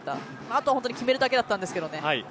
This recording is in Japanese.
あとは本当に決めるだけだったんですけどね。